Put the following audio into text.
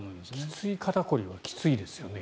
きつい肩凝りはきついですよね。